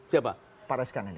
siapa pak rias khan ini